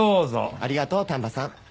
ありがとう丹波さん。